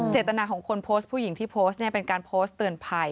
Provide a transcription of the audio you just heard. เจตนาของคนโพสต์ผู้หญิงที่โพสต์เป็นการโพสต์เตือนภัย